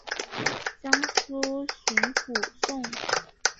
江苏巡抚宋荦聘致幕中。